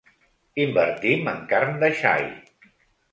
Invertim en carn de xai.